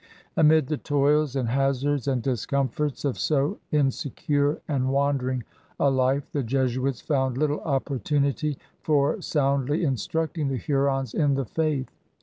Amid the toils and hazards and discomforts of so insecure and wandering a life the Jesuits found little oppor tunity for soundly instructing the Hurons in the faith.